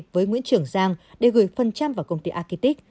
với nguyễn trường giang để gửi phần trăm vào công ty architik